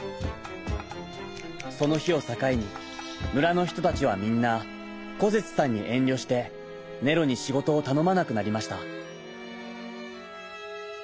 そのひをさかいにむらのひとたちはみんなコゼツさんにえんりょしてネロにしごとをたのまなくなりました。